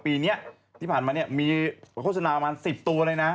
ปีนี้ที่ผ่านมาเนี่ยมีโฆษณาประมาณ๑๐ตัวเลยนะ